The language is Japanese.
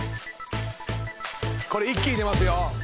これ一気に出ますよ。